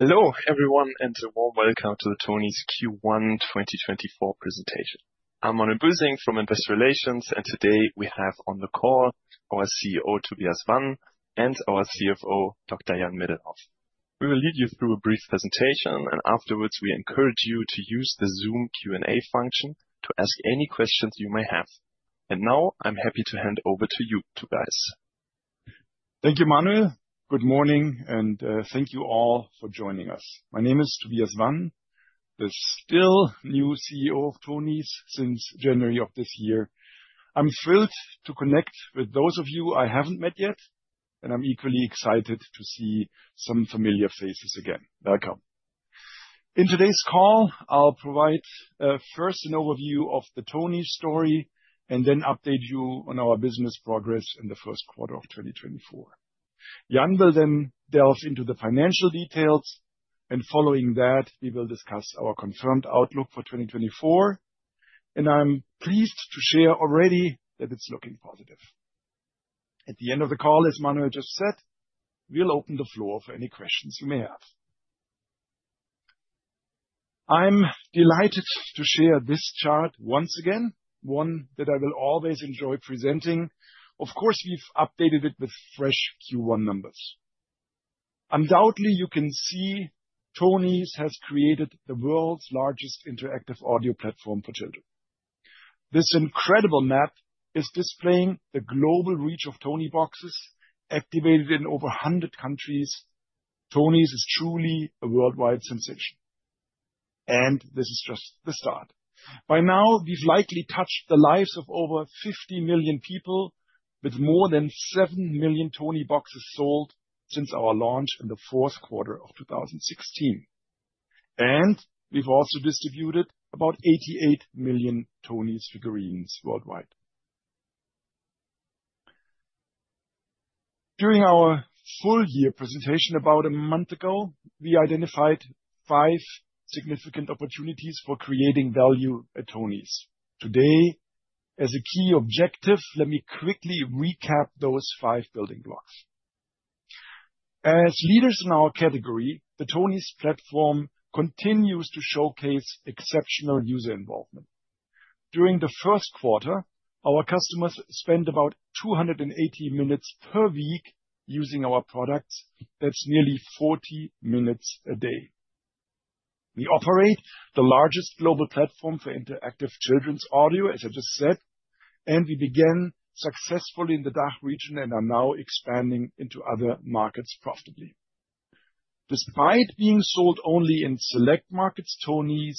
Hello, everyone, and a warm welcome to the Tonies Q1 2024 presentation. I'm Manuel Bösing from Investor Relations, and today we have on the call our CEO, Tobias Wann, and our CFO, Dr. Jan Middelhoff. We will lead you through a brief presentation, and afterwards, we encourage you to use the Zoom Q&A function to ask any questions you may have. And now, I'm happy to hand over to you two guys. Thank you, Manuel. Good morning, and thank you all for joining us. My name is Tobias Wann, the still new CEO of Tonies since January of this year. I'm thrilled to connect with those of you I haven't met yet, and I'm equally excited to see some familiar faces again. Welcome. In today's call, I'll provide first an overview of the Tonies story, and then update you on our business progress in the first quarter of 2024. Jan will then delve into the financial details, and following that, we will discuss our confirmed outlook for 2024, and I'm pleased to share already that it's looking positive. At the end of the call, as Manuel just said, we'll open the floor for any questions you may have. I'm delighted to share this chart once again, one that I will always enjoy presenting. Of course, we've updated it with fresh Q1 numbers. Undoubtedly, you can see Tonies has created the world's largest interactive audio platform for children. This incredible map is displaying the global reach of Tonieboxes, activated in over 100 countries. Tonies is truly a worldwide sensation, and this is just the start. By now, we've likely touched the lives of over 50 million people with more than seven million Tonieboxes sold since our launch in the fourth quarter of 2016. And we've also distributed about 88 million Tonies figurines worldwide. During our full year presentation about a month ago, we identified five significant opportunities for creating value at Tonies. Today, as a key objective, let me quickly recap those five building blocks. As leaders in our category, the Tonies platform continues to showcase exceptional user involvement. During the first quarter, our customers spent about 280 minutes per week using our products. That's nearly 40 minutes a day. We operate the largest global platform for interactive children's audio, as I just said, and we began successfully in the DACH region and are now expanding into other markets profitably. Despite being sold only in select markets, Tonies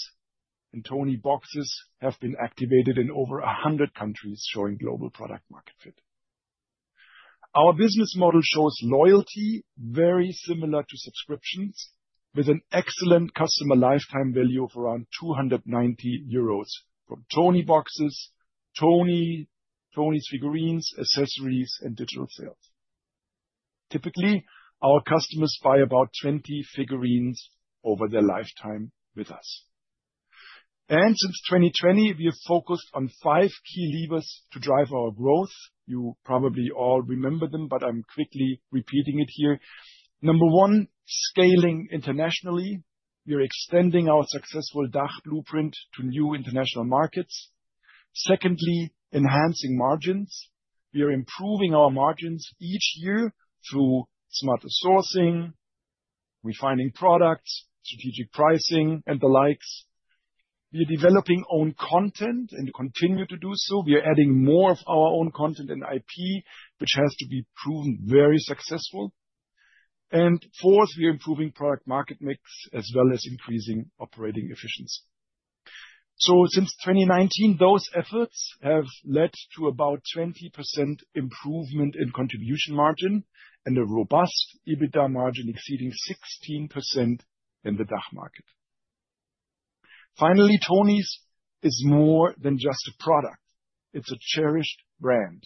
and Tonieboxes have been activated in over 100 countries, showing global product market fit. Our business model shows loyalty very similar to subscriptions, with an excellent customer lifetime value of around 290 euros from Tonieboxes, Tonies figurines, accessories, and digital sales. Typically, our customers buy about 20 figurines over their lifetime with us. Since 2020, we have focused on five key levers to drive our growth. You probably all remember them, but I'm quickly repeating it here. Number one, scaling internationally. We are extending our successful DACH blueprint to new international markets. Secondly, enhancing margins. We are improving our margins each year through smarter sourcing, refining products, strategic pricing, and the likes. We are developing own content and continue to do so. We are adding more of our own content and IP, which has to be proven very successful. And fourth, we are improving product market mix as well as increasing operating efficiency. So since 2019, those efforts have led to about 20% improvement in contribution margin and a robust EBITDA margin exceeding 16% in the DACH market. Finally, Tonies is more than just a product, it's a cherished brand.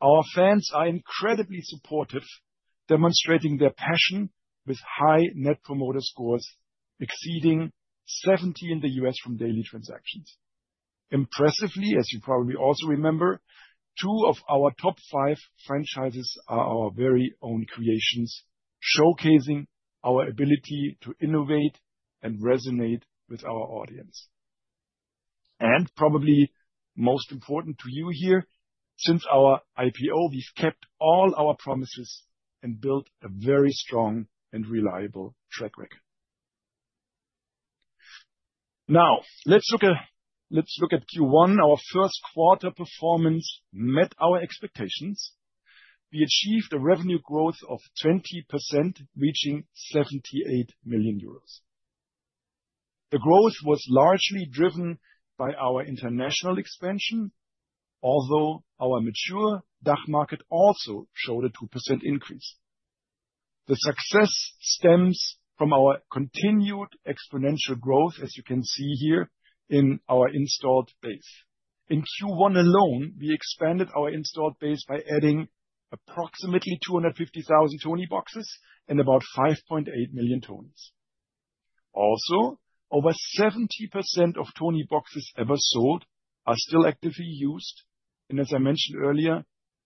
Our fans are incredibly supportive, demonstrating their passion with high Net Promoter Scores exceeding 70 in the U.S. from daily transactions. Impressively, as you probably also remember, two of our top five franchises are our very own creations, showcasing our ability to innovate and resonate with our audience. Probably most important to you here, since our IPO, we've kept all our promises and built a very strong and reliable track record. Now, let's look at, let's look at Q1. Our first quarter performance met our expectations. We achieved a revenue growth of 20%, reaching 78 million euros. The growth was largely driven by our international expansion, although our mature DACH market also showed a 2% increase. The success stems from our continued exponential growth, as you can see here in our installed base. In Q1 alone, we expanded our installed base by adding approximately 250,000 Tonieboxes and about 5.8 million Tonies.... Also, over 70% of Tonieboxes ever sold are still actively used, and as I mentioned earlier,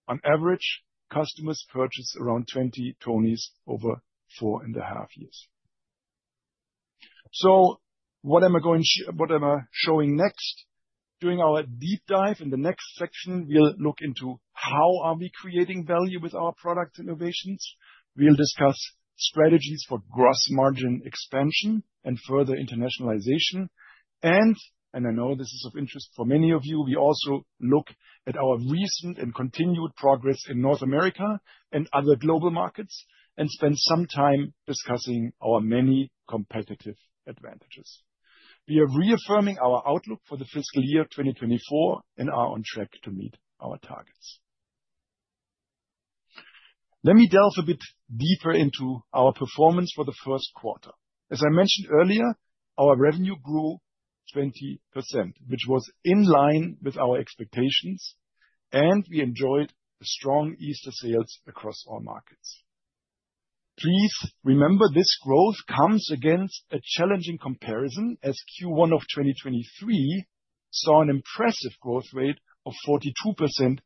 on average, customers purchase around 20 Tonies over 4.5 years. So what am I showing next? During our deep dive in the next section, we'll look into how are we creating value with our product innovations. We'll discuss strategies for gross margin expansion and further internationalization, and, and I know this is of interest for many of you, we also look at our recent and continued progress in North America and other global markets, and spend some time discussing our many competitive advantages. We are reaffirming our outlook for the fiscal year 2024 and are on track to meet our targets. Let me delve a bit deeper into our performance for the first quarter. As I mentioned earlier, our revenue grew 20%, which was in line with our expectations, and we enjoyed strong Easter sales across all markets. Please remember, this growth comes against a challenging comparison, as Q1 of 2023 saw an impressive growth rate of 42%,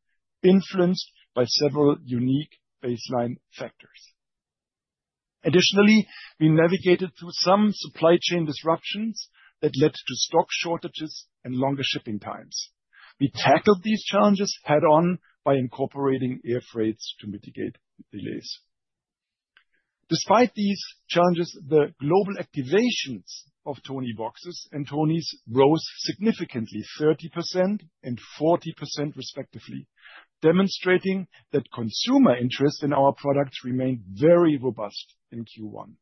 influenced by several unique baseline factors. Additionally, we navigated through some supply chain disruptions that led to stock shortages and longer shipping times. We tackled these challenges head-on by incorporating air freights to mitigate delays. Despite these challenges, the global activations of Tonieboxes and Tonies rose significantly, 30% and 40%, respectively, demonstrating that consumer interest in our products remained very robust in Q1.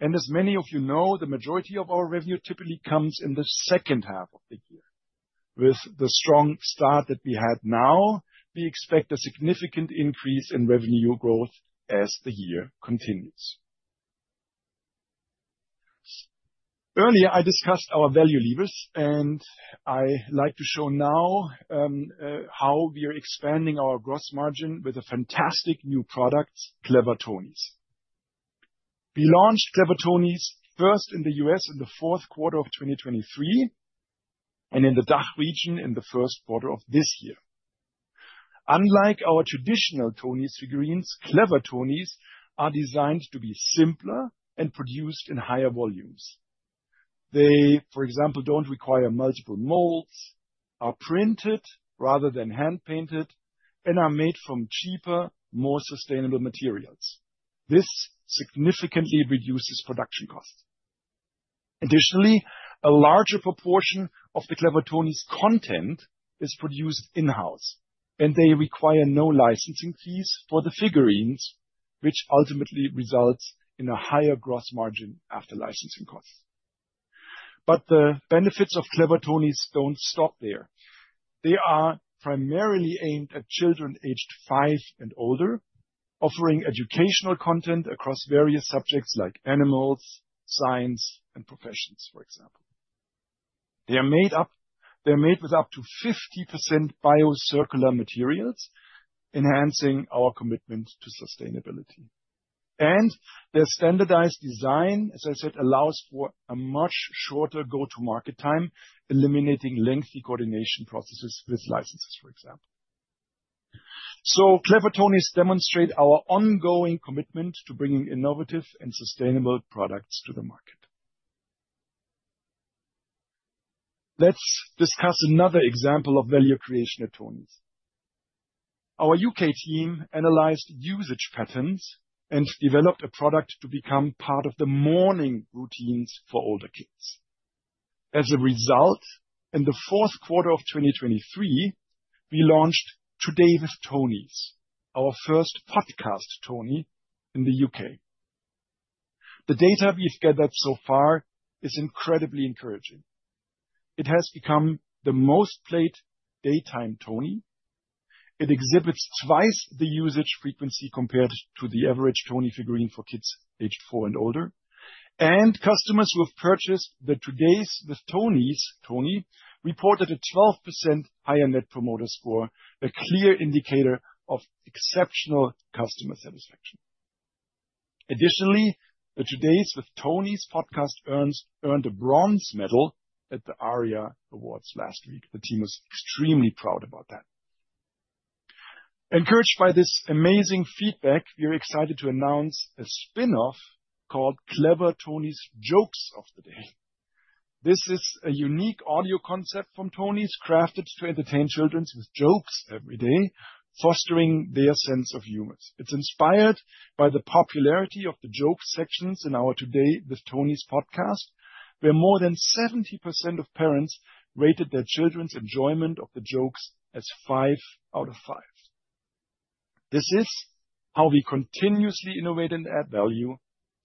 And as many of you know, the majority of our revenue typically comes in the second half of the year. With the strong start that we had now, we expect a significant increase in revenue growth as the year continues. Earlier, I discussed our value levers, and I like to show now how we are expanding our gross margin with a fantastic new product, Clever Tonies. We launched Clever Tonies first in the U.S. in the fourth quarter of 2023, and in the DACH region in the first quarter of this year. Unlike our traditional Tonies figurines, Clever Tonies are designed to be simpler and produced in higher volumes. They, for example, don't require multiple molds, are printed rather than hand-painted, and are made from cheaper, more sustainable materials. This significantly reduces production costs. Additionally, a larger proportion of the Clever Tonies content is produced in-house, and they require no licensing fees for the figurines, which ultimately results in a higher gross margin after licensing costs. But the benefits of Clever Tonies don't stop there. They are primarily aimed at children aged five and older, offering educational content across various subjects like animals, science, and professions, for example. They're made with up to 50% biocircular materials, enhancing our commitment to sustainability. Their standardized design, as I said, allows for a much shorter go-to-market time, eliminating lengthy coordination processes with licenses, for example. Clever Tonies demonstrate our ongoing commitment to bringing innovative and sustainable products to the market. Let's discuss another example of value creation at Tonies. Our U.K. team analyzed usage patterns and developed a product to become part of the morning routines for older kids. As a result, in the fourth quarter of 2023, we launched Today with Tonies, our first podcast Tonie, in the U.K.. The data we've gathered so far is incredibly encouraging. It has become the most-played daytime Tonie. It exhibits twice the usage frequency compared to the average Tonie figurine for kids aged four and older. Customers who have purchased the Today with Tonies Tonie reported a 12% higher Net Promoter Score, a clear indicator of exceptional customer satisfaction. Additionally, the Today with Tonies podcast earned a bronze medal at the ARIA Awards last week. The team is extremely proud about that. Encouraged by this amazing feedback, we are excited to announce a spin-off called Clever Tonies Jokes of the Day. This is a unique audio concept from Tonies, crafted to entertain children with jokes every day, fostering their sense of humor. It's inspired by the popularity of the jokes sections in our Today with Tonies podcast, where more than 70% of parents rated their children's enjoyment of the jokes as five out of five. This is how we continuously innovate and add value,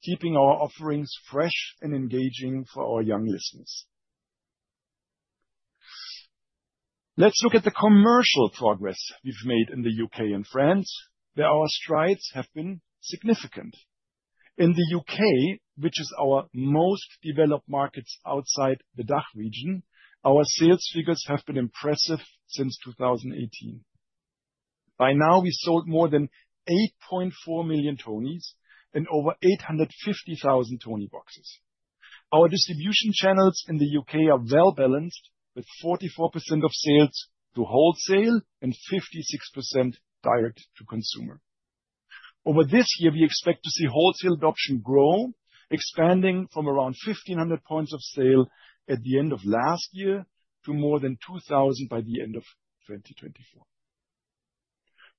keeping our offerings fresh and engaging for our young listeners. Let's look at the commercial progress we've made in the UK and France, where our strides have been significant. In the U.K., which is our most developed markets outside the DACH region, our sales figures have been impressive since 2018. By now, we sold more than 8.4 million Tonies and over 850,000 Tonieboxes. Our distribution channels in the U.K. are well-balanced, with 44% of sales to wholesale and 56% direct to consumer. Over this year, we expect to see wholesale adoption grow, expanding from around 1,500 points of sale at the end of last year, to more than 2,000 by the end of 2024.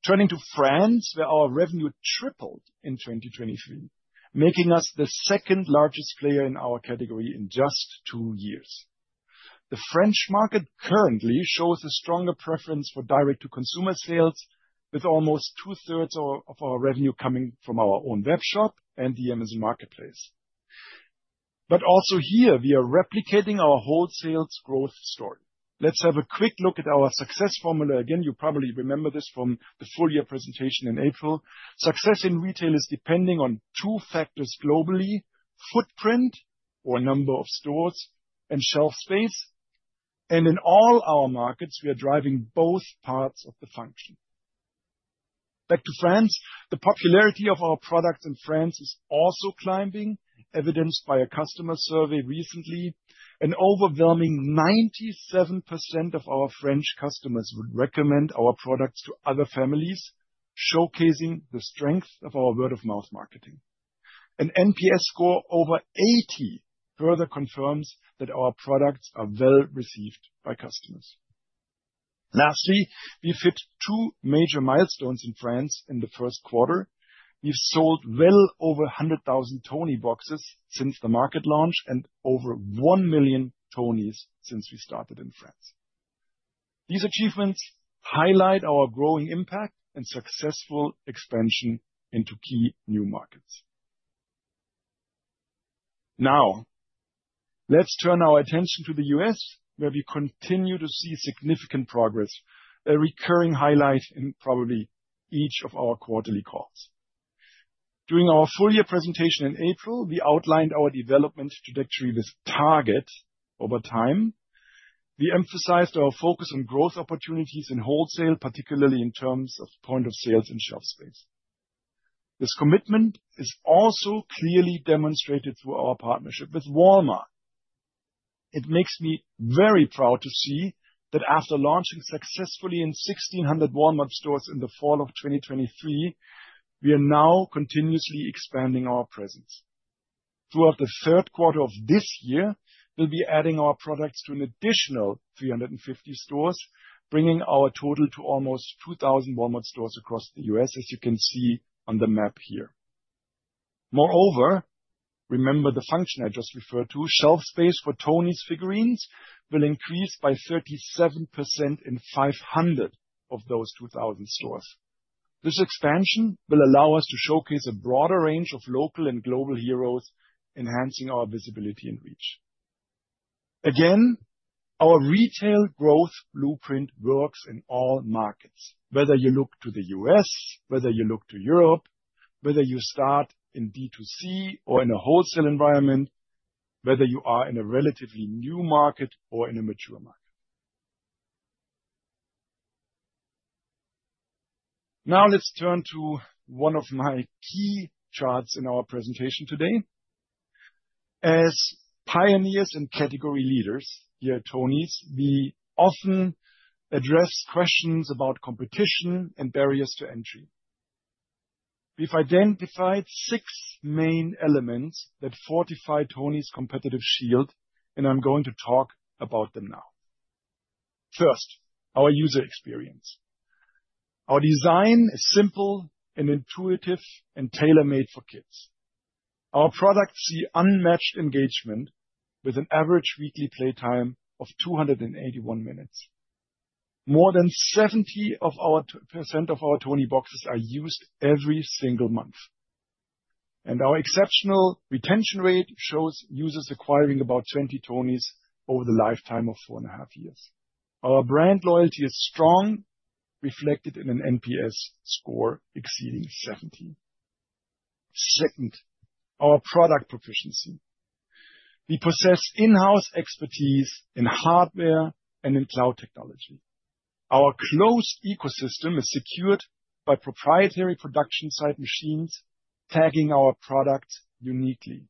Turning to France, where our revenue tripled in 2023, making us the second largest player in our category in just two years. The French market currently shows a stronger preference for direct-to-consumer sales, with almost 2/3 of our revenue coming from our own web shop and the Amazon Marketplace. But also here, we are replicating our wholesale growth story. Let's have a quick look at our success formula. Again, you probably remember this from the full year presentation in April. Success in retail is depending on two factors globally: footprint, or number of stores, and shelf space. And in all our markets, we are driving both parts of the function. Back to France. The popularity of our products in France is also climbing, evidenced by a customer survey recently. An overwhelming 97% of our French customers would recommend our products to other families, showcasing the strength of our word-of-mouth marketing. An NPS score over 80 further confirms that our products are well received by customers. Lastly, we hit two major milestones in France in the first quarter. We've sold well over 100,000 Tonieboxes since the market launch, and over one million Tonies since we started in France. These achievements highlight our growing impact and successful expansion into key new markets. Now, let's turn our attention to the U.S., where we continue to see significant progress, a recurring highlight in probably each of our quarterly calls. During our full year presentation in April, we outlined our development trajectory with Target over time. We emphasized our focus on growth opportunities in wholesale, particularly in terms of point of sales and shelf space. This commitment is also clearly demonstrated through our partnership with Walmart. It makes me very proud to see that after launching successfully in 1,600 Walmart stores in the fall of 2023, we are now continuously expanding our presence. Throughout the third quarter of this year, we'll be adding our products to an additional 350 stores, bringing our total to almost 2,000 Walmart stores across the U.S., as you can see on the map here. Moreover, remember the function I just referred to, shelf space for Tonies figurines will increase by 37% in 500 of those 2,000 stores. This expansion will allow us to showcase a broader range of local and global heroes, enhancing our visibility and reach. Again, our retail growth blueprint works in all markets, whether you look to the U.S., whether you look to Europe, whether you start in D2C or in a wholesale environment, whether you are in a relatively new market or in a mature market. Now, let's turn to one of my key charts in our presentation today. As pioneers and category leaders here at Tonies, we often address questions about competition and barriers to entry. We've identified six main elements that fortify Tonies' competitive shield, and I'm going to talk about them now. First, our user experience. Our design is simple and intuitive and tailor-made for kids. Our products see unmatched engagement with an average weekly playtime of 281 minutes. More than 70% of our Tonieboxes are used every single month, and our exceptional retention rate shows users acquiring about 20 Tonies over the lifetime of 4.5 years. Our brand loyalty is strong, reflected in an NPS score exceeding 70. Second, our product proficiency. We possess in-house expertise in hardware and in cloud technology. Our closed ecosystem is secured by proprietary production site machines, tagging our products uniquely.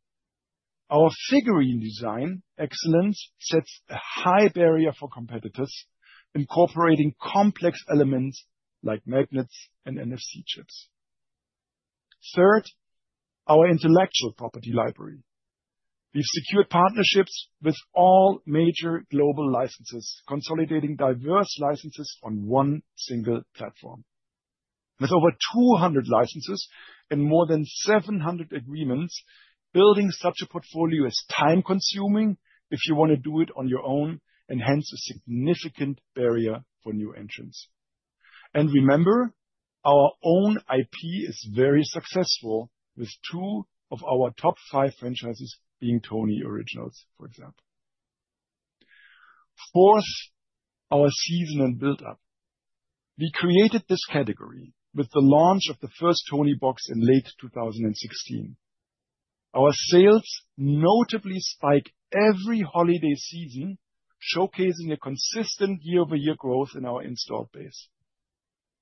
Our figurine design excellence sets a high barrier for competitors, incorporating complex elements like magnets and NFC chips. Third, our intellectual property library. We've secured partnerships with all major global licenses, consolidating diverse licenses on one single platform. With over 200 licenses and more than 700 agreements, building such a portfolio is time-consuming if you want to do it on your own, and hence, a significant barrier for new entrants. And remember, our own IP is very successful, with two of our top five franchises being Tonie originals, for example. Fourth, our season and build-up. We created this category with the launch of the first Toniebox in late 2016. Our sales notably spike every holiday season, showcasing a consistent year-over-year growth in our installed base.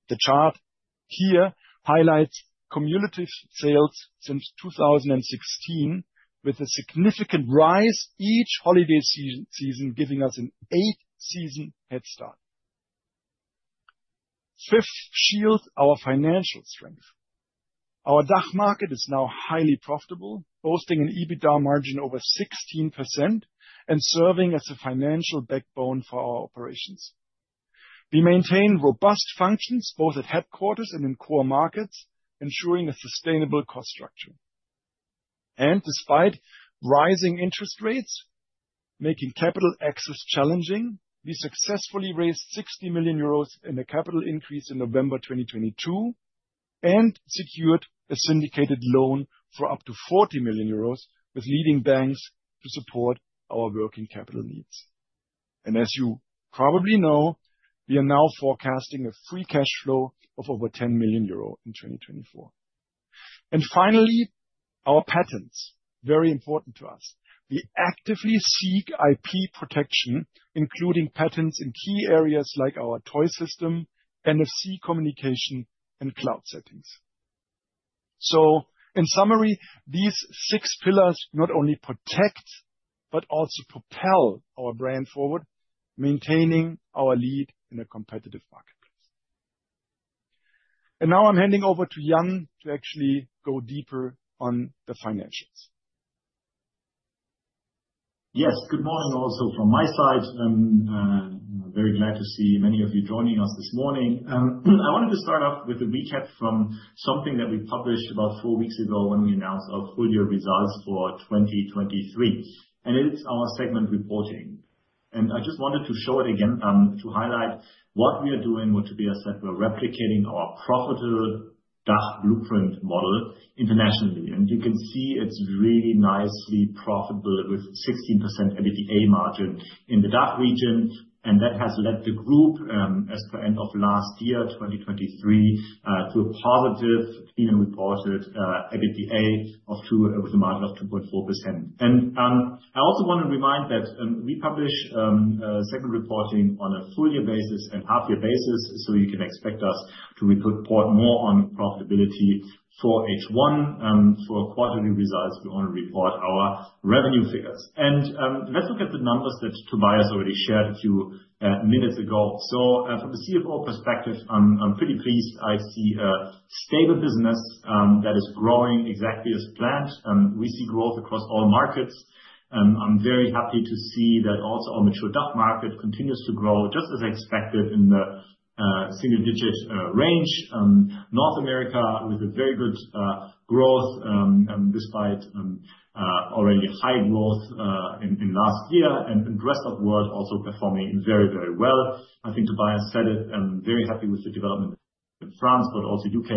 The chart here highlights cumulative sales since 2016, with a significant rise each holiday season, giving us an eight-season headstart. Fifth shield, our financial strength. Our DACH market is now highly profitable, boasting an EBITDA margin over 16% and serving as a financial backbone for our operations. We maintain robust functions, both at headquarters and in core markets, ensuring a sustainable cost structure. Despite rising interest rates making capital access challenging, we successfully raised 60 million euros in a capital increase in November 2022, and secured a syndicated loan for up to 40 million euros with leading banks to support our working capital needs. As you probably know, we are now forecasting a free cash flow of over 10 million euro in 2024. Finally, our patents, very important to us. We actively seek IP protection, including patents in key areas like our toy system, NFC communication, and cloud settings. So in summary, these six pillars not only protect, but also propel our brand forward, maintaining our lead in a competitive marketplace. Now I'm handing over to Jan to actually go deeper on the financials. Yes, good morning also from my side. Very glad to see many of you joining us this morning. I wanted to start off with a recap from something that we published about four weeks ago when we announced our full year results for 2023, and it's our segment reporting. I just wanted to show it again, to highlight what we are doing, which is that we're replicating our profitable DACH blueprint model internationally. You can see it's really nicely profitable with 16% EBITDA margin in the DACH region, and that has led the group, as per end of last year, 2023, to a positive premium reported EBITDA of two with a margin of 2.4%. I also want to remind that we publish segment reporting on a full year basis and half year basis, so you can expect us to report more on profitability for H1. For quarterly results, we only report our revenue figures. Let's look at the numbers that Tobias already shared a few minutes ago. From the CFO perspective, I'm pretty pleased. I see a stable business that is growing exactly as planned, and we see growth across all markets. I'm very happy to see that also our mature DACH market continues to grow just as expected in the single-digit range. North America with a very good growth despite already high growth in last year. The Rest of World also performing very, very well. I think Tobias said it. I'm very happy with the development in France, but also U.K.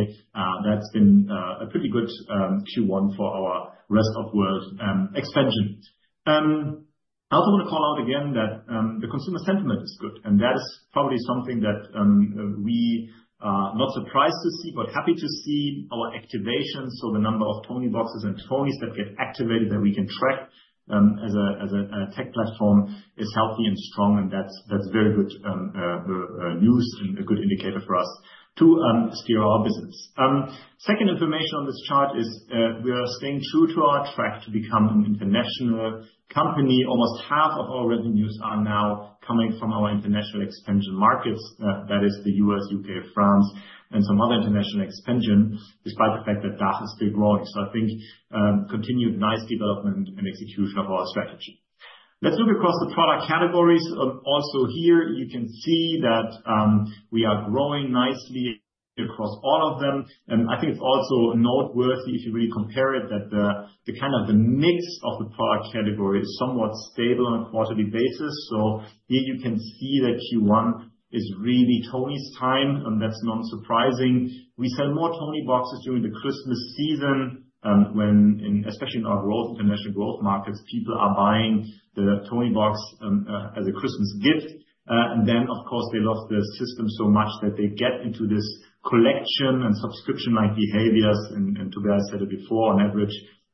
That's been a pretty good Q1 for our Rest of World expansion. I also want to call out again that the consumer sentiment is good, and that is probably something that we are not surprised to see, but happy to see our activation. So the number of Tonieboxes and Tonies that get activated that we can track as a tech platform is healthy and strong, and that's very good news and a good indicator for us to steer our business. Second information on this chart is we are staying true to our track to become an international company. Almost half of our revenues are now coming from our international expansion markets, that is the U.S., U.K., France, and some other international expansion, despite the fact that DACH is still growing. So I think, continued nice development and execution of our strategy. Let's look across the product categories. Also here, you can see that, we are growing nicely across all of them. And I think it's also noteworthy, if you really compare it, that the kind of the mix of the product category is somewhat stable on a quarterly basis. So here you can see that Q1 is really Tonies time, and that's not surprising. We sell more Tonieboxes during the Christmas season, when, and especially in our growth, international growth markets, people are buying the Toniebox, as a Christmas gift. And then, of course, they love the system so much that they get into this collection and subscription-like behaviors. And, Tobias said it before, on average,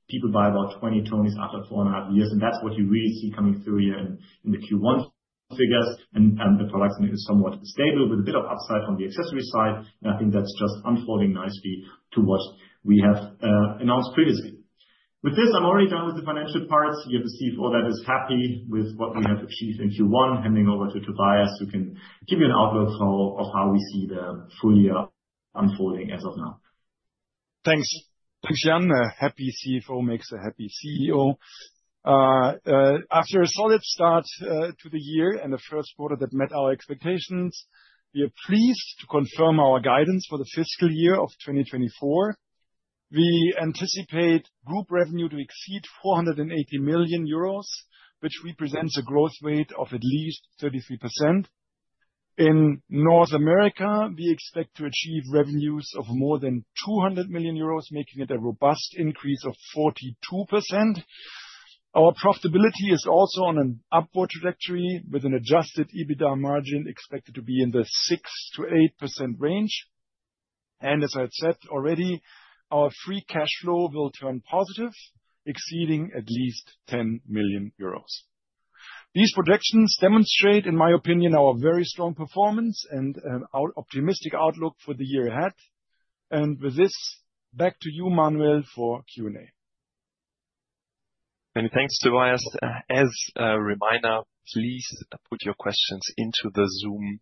people buy about 20 Tonies after 4.5 years, and that's what you really see coming through here in the Q1 figures. And, the product mix is somewhat stable, with a bit of upside from the accessory side, and I think that's just unfolding nicely to what we have announced previously. With this, I'm already done with the financial parts. You have a CFO that is happy with what we have achieved in Q1. Handing over to Tobias, who can give you an outlook of how we see the full year unfolding as of now. Thanks. Thanks, Jan. A happy CFO makes a happy CEO. After a solid start to the year and a first quarter that met our expectations, we are pleased to confirm our guidance for the fiscal year of 2024. We anticipate group revenue to exceed 480 million euros, which represents a growth rate of at least 33%. In North America, we expect to achieve revenues of more than 200 million euros, making it a robust increase of 42%. Our profitability is also on an upward trajectory, with an adjusted EBITDA margin expected to be in the 6%-8% range. And as I had said already, our free cash flow will turn positive, exceeding at least 10 million euros. These projections demonstrate, in my opinion, our very strong performance and our optimistic outlook for the year ahead. With this, back to you, Manuel, for Q&A. Many thanks, Tobias. As a reminder, please put your questions into the Zoom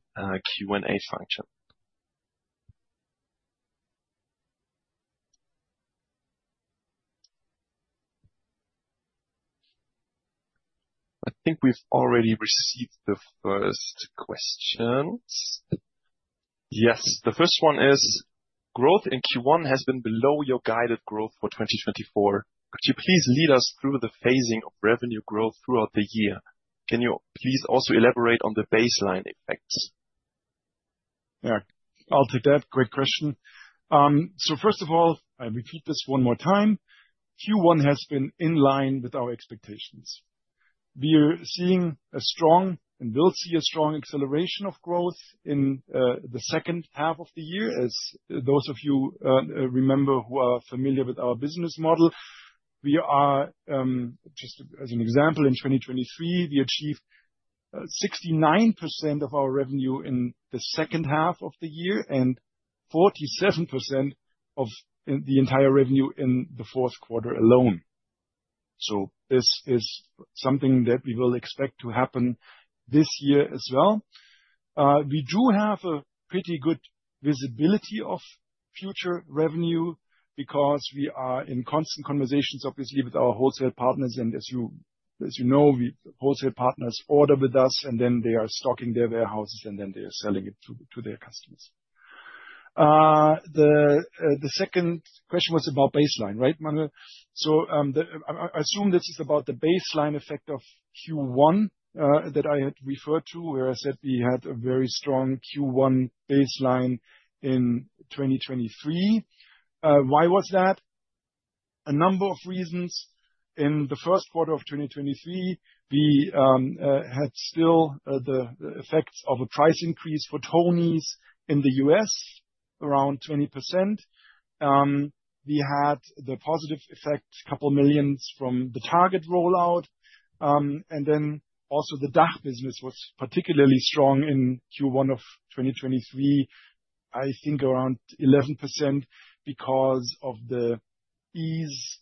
Q&A function. I think we've already received the first question. Yes, the first one is: Growth in Q1 has been below your guided growth for 2024. Could you please lead us through the phasing of revenue growth throughout the year? Can you please also elaborate on the baseline effects? Yeah, I'll take that. Great question. So first of all, I repeat this one more time, Q1 has been in line with our expectations. We are seeing a strong and will see a strong acceleration of growth in the second half of the year, as those of you remember, who are familiar with our business model. We are just as an example, in 2023, we achieved 69% of our revenue in the second half of the year and 47% of the entire revenue in the fourth quarter alone. So this is something that we will expect to happen this year as well. We do have a pretty good visibility of future revenue because we are in constant conversations, obviously, with our wholesale partners, and as you know, wholesale partners order with us, and then they are stocking their warehouses, and then they are selling it to their customers. The second question was about baseline, right, Manuel? I assume this is about the baseline effect of Q1 that I had referred to, where I said we had a very strong Q1 baseline in 2023. Why was that? A number of reasons. In the first quarter of 2023, we still had the effects of a price increase for Tonies in the U.S., around 20%. We had the positive effect, 2 million from the Target rollout, and then also the DACH business was particularly strong in Q1 of 2023, I think around 11%, because of the ease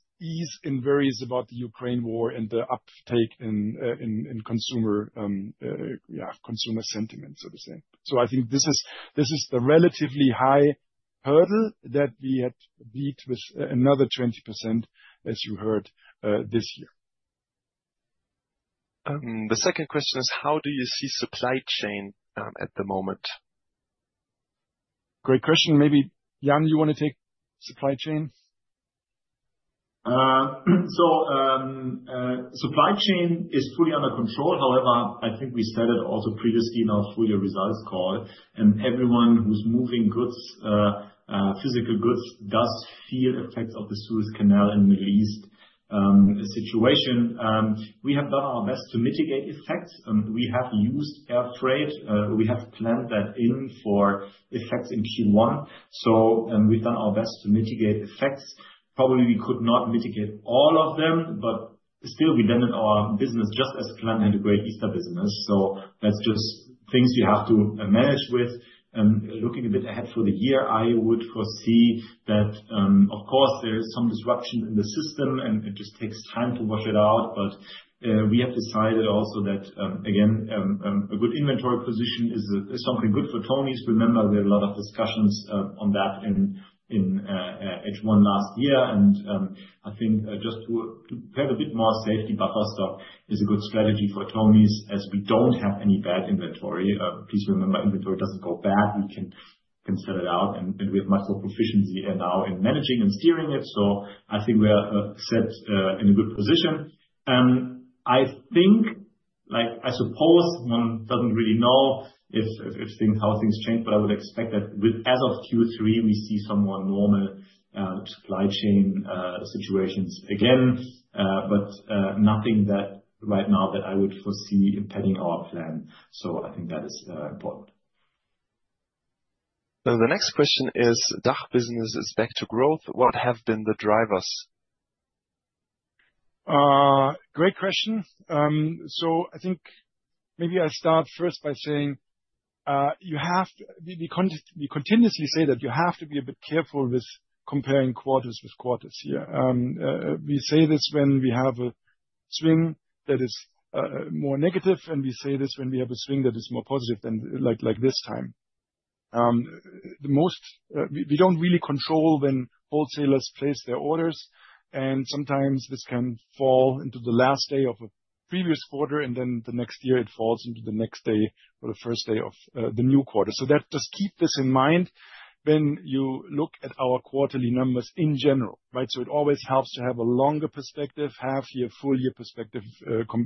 and worries about the Ukraine war and the uptake in consumer sentiments, so to say. So I think this is the relatively high hurdle that we had beat with another 20%, as you heard, this year. The second question is: How do you see supply chain at the moment? Great question. Maybe, Jan, you want to take supply chain? So, supply chain is fully under control. However, I think we said it also previously in our Q3 results call, and everyone who's moving goods, physical goods, does feel effects of the Suez Canal in the Middle East situation. We have done our best to mitigate effects, and we have used air freight. We have planned that in for effects in Q1, so, and we've done our best to mitigate effects. Probably we could not mitigate all of them, but still we limited our business just as planned and a great Easter business. So that's just things we have to manage with. And looking a bit ahead for the year, I would foresee that, of course, there is some disruption in the system, and it just takes time to work it out. But we have decided also that again a good inventory position is something good for Tonies. Remember, we had a lot of discussions on that in H1 last year, and I think just to have a bit more safety buffer stock is a good strategy for Tonies, as we don't have any bad inventory. Please remember, inventory doesn't go bad. We can sell it out, and we have much more proficiency here now in managing and steering it. So I think we are set in a good position. I think, like, I suppose, one doesn't really know if things, how things change, but I would expect that with as of Q3, we see some more normal supply chain situations again, but nothing that right now that I would foresee impacting our plan. So I think that is important. The next question is, DACH business is back to growth. What have been the drivers? Great question. So I think maybe I start first by saying, you have... We, we cont- we continuously say that you have to be a bit careful with comparing quarters with quarters here. We say this when we have a swing that is more negative, and we say this when we have a swing that is more positive than like, like this time. The most, we, we don't really control when wholesalers place their orders, and sometimes this can fall into the last day of a previous quarter, and then the next year it falls into the next day or the first day of the new quarter. So that, just keep this in mind when you look at our quarterly numbers in general, right? So it always helps to have a longer perspective, half year, full year perspective,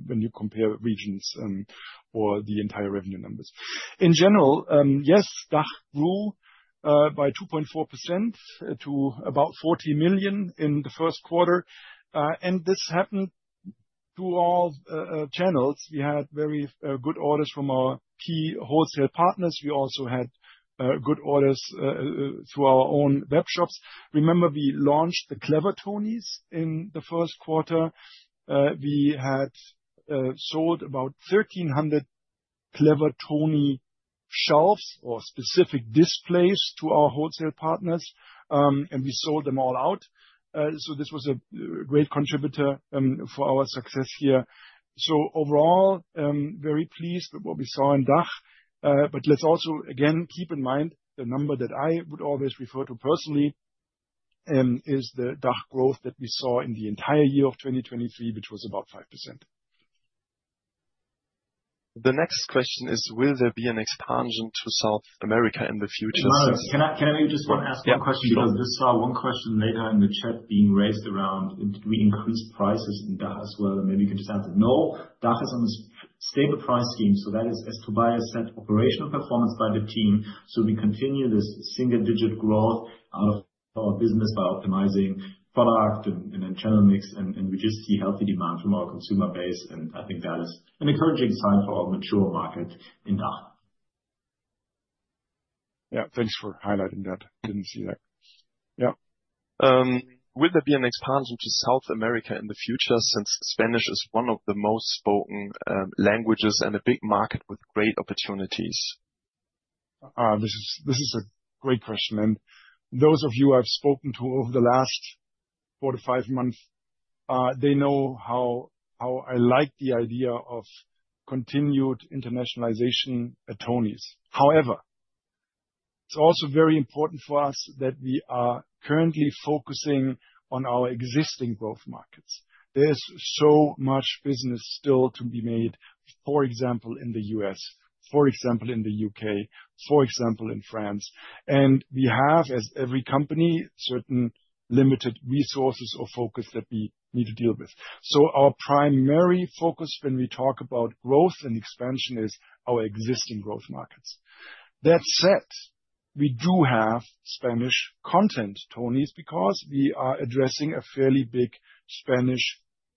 when you compare regions, or the entire revenue numbers. In general, yes, DACH grew by 2.4% to about 40 million in the first quarter. And this happened through all channels, we had very good orders from our key wholesale partners. We also had good orders through our own web shops. Remember, we launched the Clever Tonies in the first quarter. We had sold about 1,300 Clever Tonies shelves or specific displays to our wholesale partners, and we sold them all out. So this was a great contributor for our success here. So overall, very pleased with what we saw in DACH. But let's also again keep in mind the number that I would always refer to personally is the DACH growth that we saw in the entire year of 2023, which was about 5%. The next question is, will there be an expansion to South America in the future? Can I maybe just want to ask one question? Yeah, sure. Because I just saw one question later in the chat being raised around, did we increase prices in DACH as well? And maybe we can just answer, no, DACH is on a stable pricing, so that is, as Tobias said, operational performance by the team. So we continue this single-digit growth out of our business by optimizing product and, and then channel mix, and, and we just see healthy demand from our consumer base, and I think that is an encouraging sign for our mature market in DACH. Yeah, thanks for highlighting that. Didn't see that. Yeah. Will there be an expansion to South America in the future, since Spanish is one of the most spoken languages and a big market with great opportunities? This is a great question, and those of you I've spoken to over the last four to five months, they know how I like the idea of continued internationalization at Tonies. However, it's also very important for us that we are currently focusing on our existing growth markets. There's so much business still to be made, for example, in the U.S., for example, in the U.K., for example, in France. And we have, as every company, certain limited resources or focus that we need to deal with. So our primary focus when we talk about growth and expansion is our existing growth markets. That said, we do have Spanish content Tonies, because we are addressing a fairly big Spanish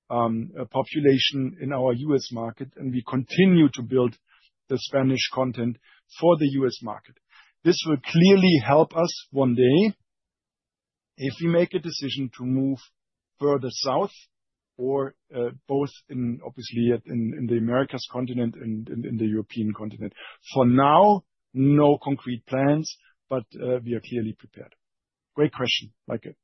population in our U.S. market, and we continue to build the Spanish content for the U.S. market. This will clearly help us one day if we make a decision to move further south or both in, obviously, in the Americas continent and in the European continent. For now, no concrete plans, but we are clearly prepared. Great question. Thank you.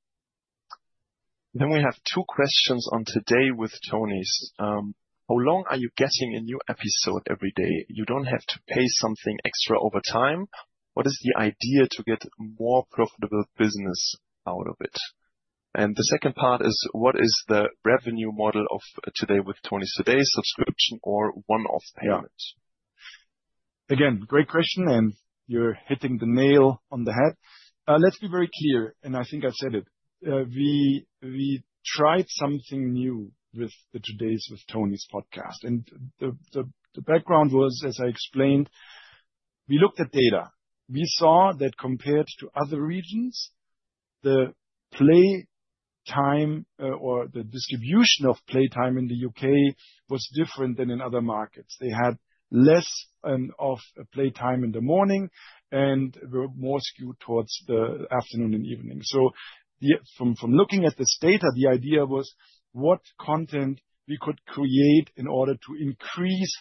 Then we have two questions on Today with Tonies. How long are you getting a new episode every day? You don't have to pay something extra over time. What is the idea to get more profitable business out of it? And the second part is, what is the revenue model of Today with Tonies? Today, subscription or one-off payment? Yeah. Again, great question, and you're hitting the nail on the head. Let's be very clear, and I think I said it, we tried something new with the Today with Tonies podcast. And the background was, as I explained, we looked at data. We saw that compared to other regions, the play time or the distribution of playtime in the U.K. was different than in other markets. They had less of playtime in the morning and were more skewed towards the afternoon and evening. From looking at this data, the idea was what content we could create in order to increase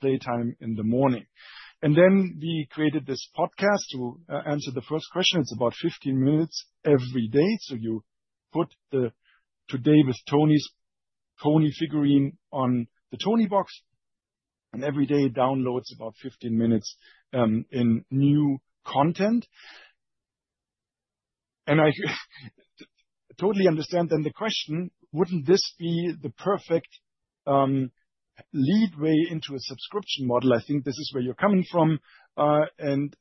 playtime in the morning. And then we created this podcast. To answer the first question, it's about 15 minutes every day. So you put the Today with Tonies Tonie figurine on the Toniebox, and every day it downloads about 15 minutes in new content. And I totally understand the question, wouldn't this be the perfect lead way into a subscription model? I think this is where you're coming from. And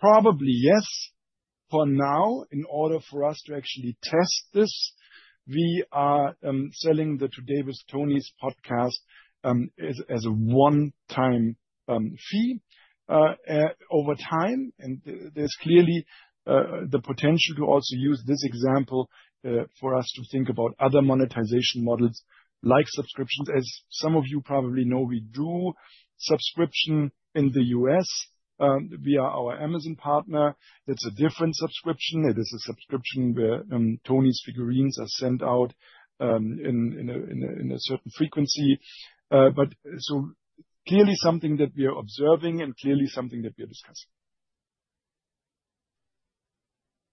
probably yes. For now, in order for us to actually test this, we are selling the Today with Tonies podcast as a one-time fee. Over time, and there's clearly the potential to also use this example for us to think about other monetization models like subscriptions. As some of you probably know, we do subscription in the U.S. via our Amazon partner. It's a different subscription. It is a subscription where Tonies figurines are sent out in a certain frequency. But so clearly something that we are observing and clearly something that we are discussing.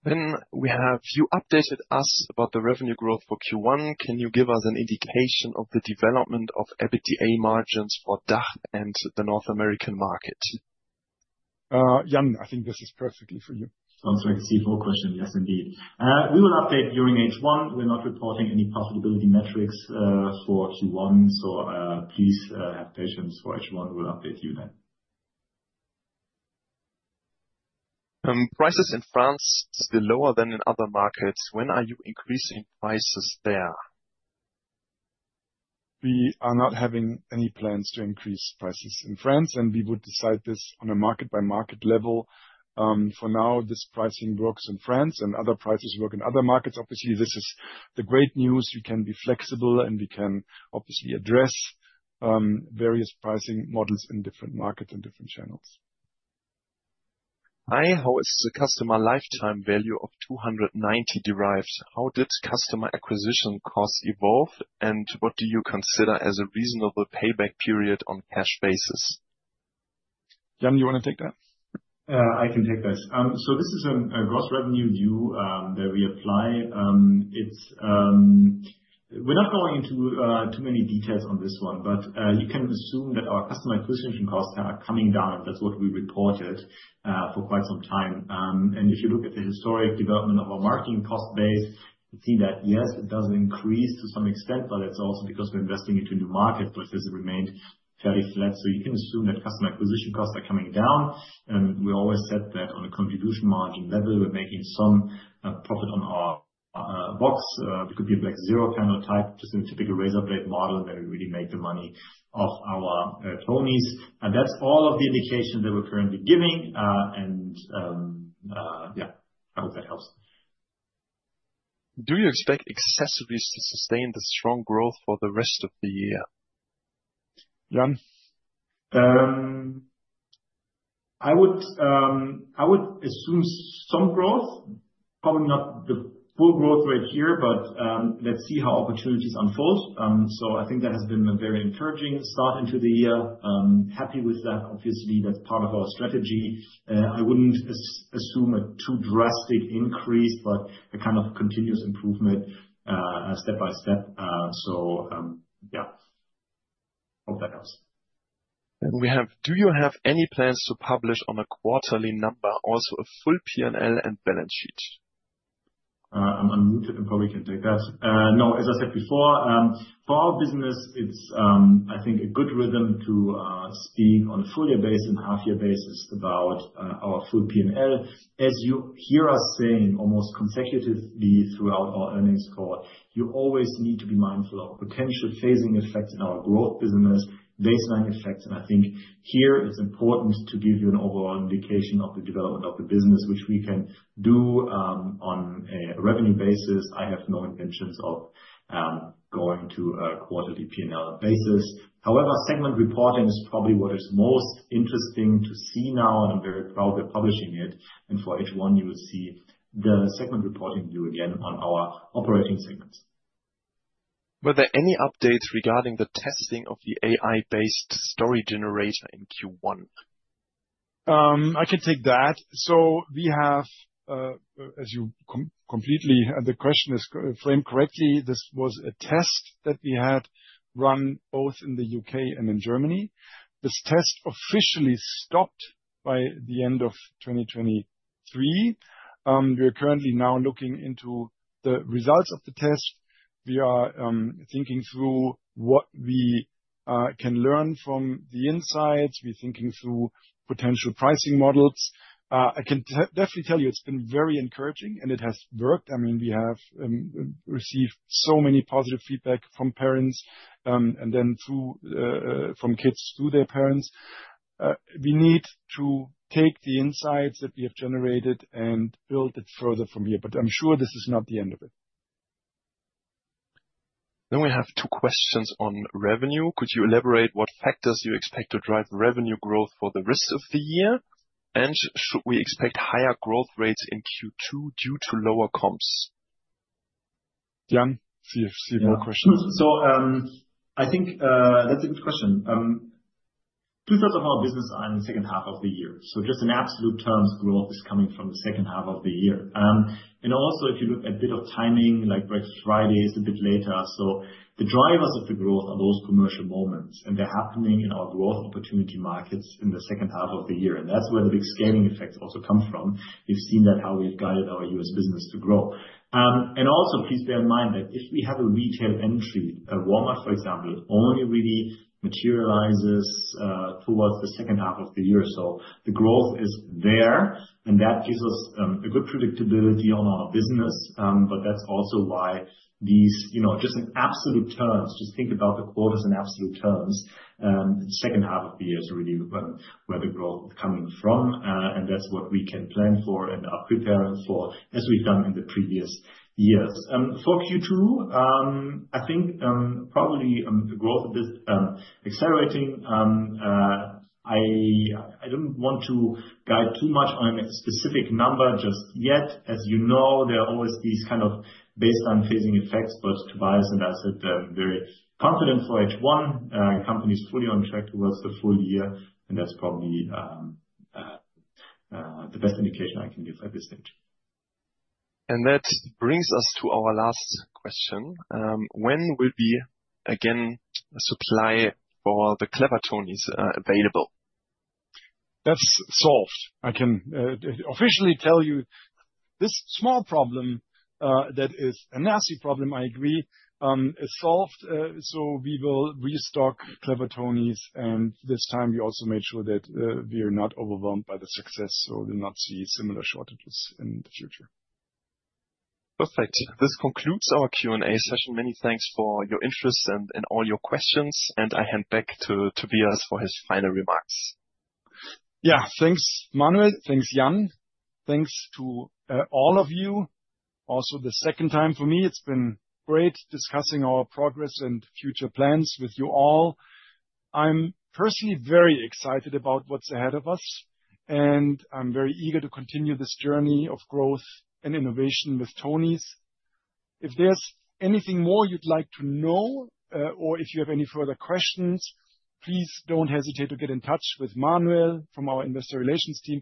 Then we have: you updated us about the revenue growth for Q1. Can you give us an indication of the development of EBITDA margins for DACH and the North American market? Jan, I think this is perfectly for you. Sounds like a simple question. Yes, indeed. We will update during H1. We're not reporting any profitability metrics for Q1, so please have patience for H1. We'll update you then. Prices in France still lower than in other markets. When are you increasing prices there? We are not having any plans to increase prices in France, and we would decide this on a market-by-market level. For now, this pricing works in France, and other prices work in other markets. Obviously, this is the great news. We can be flexible, and we can obviously address various pricing models in different markets and different channels. ... Hi, how is the customer lifetime value of 290 derived? How did customer acquisition costs evolve, and what do you consider as a reasonable payback period on cash basis? Jan, you wanna take that? I can take this. So this is a gross revenue view that we apply. We're not going into too many details on this one, but you can assume that our customer acquisition costs are coming down. That's what we reported for quite some time. And if you look at the historic development of our marketing cost base, you see that, yes, it does increase to some extent, but it's also because we're investing into new markets, but it's remained fairly flat. So you can assume that customer acquisition costs are coming down, and we always said that on a contribution margin level, we're making some profit on our box. It could be like Xero P&L type, just a typical razor blade model where we really make the money off our Tonies. That's all of the indication that we're currently giving, and yeah, I hope that helps. Do you expect excessively to sustain the strong growth for the rest of the year? Jan? I would assume some growth, probably not the full growth rate here, but let's see how opportunities unfold. So I think that has been a very encouraging start into the year. Happy with that. Obviously, that's part of our strategy. I wouldn't assume a too drastic increase, but a kind of continuous improvement, step by step, so yeah. Hope that helps. Then we have: Do you have any plans to publish on a quarterly number, also a full P&L and balance sheet? I'm unmuted, I probably can take that. No, as I said before, for our business, it's, I think, a good rhythm to stay on a full year basis and half year basis about our full P&L. As you hear us saying, almost consecutively throughout our earnings call, you always need to be mindful of potential phasing effects in our growth business, baseline effects, and I think here it's important to give you an overall indication of the development of the business, which we can do on a revenue basis. I have no intentions of going to a quarterly P&L basis. However, segment reporting is probably what is most interesting to see now, and I'm very proud we're publishing it, and for H1, you will see the segment reporting view again on our operating segments. Were there any updates regarding the testing of the AI-based story generator in Q1? I can take that. So we have, as you completely framed the question correctly, this was a test that we had run both in the U.K. and in Germany. This test officially stopped by the end of 2023. We are currently now looking into the results of the test. We are thinking through what we can learn from the insights. We're thinking through potential pricing models. I can definitely tell you, it's been very encouraging, and it has worked. I mean, we have received so many positive feedback from parents, and then from kids through their parents. We need to take the insights that we have generated and build it further from here, but I'm sure this is not the end of it. Then we have two questions on revenue. Could you elaborate what factors you expect to drive revenue growth for the rest of the year? And should we expect higher growth rates in Q2 due to lower comps? Jan, three, three more questions. So, I think, that's a good question. Two-thirds of our business are in the second half of the year, so just in absolute terms, growth is coming from the second half of the year. And also, if you look a bit of timing, like Black Friday is a bit later. So the drivers of the growth are those commercial moments, and they're happening in our growth opportunity markets in the second half of the year, and that's where the big scaling effects also come from. We've seen that, how we've guided our U.S. business to grow. And also please bear in mind that if we have a retail entry, at Walmart, for example, it only really materializes towards the second half of the year. So the growth is there, and that gives us a good predictability on our business, but that's also why these, you know, just in absolute terms, just think about the quarters in absolute terms, second half of the year is really where the growth is coming from, and that's what we can plan for and are preparing for, as we've done in the previous years. For Q2, I think probably the growth of this accelerating, I don't want to guide too much on a specific number just yet. As you know, there are always these kind of baseline phasing effects. But Tobias and I said that very confident for H1, company's fully on track towards the full year, and that's probably the best indication I can give at this stage. That brings us to our last question. When will supply for the Clever Tonies be available again? That's solved. I can officially tell you, this small problem that is a nasty problem, I agree, is solved. So we will restock Clever Tonies, and this time we also made sure that we are not overwhelmed by the success, so we'll not see similar shortages in the future. Perfect. This concludes our Q&A session. Many thanks for your interest and all your questions, and I hand back to Tobias for his final remarks. Yeah, thanks, Manuel. Thanks, Jan. Thanks to all of you. Also, the second time for me, it's been great discussing our progress and future plans with you all. I'm personally very excited about what's ahead of us, and I'm very eager to continue this journey of growth and innovation with Tonies. If there's anything more you'd like to know, or if you have any further questions, please don't hesitate to get in touch with Manuel from our investor relations team.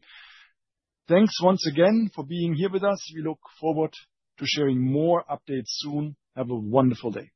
Thanks once again for being here with us. We look forward to sharing more updates soon. Have a wonderful day. Bye.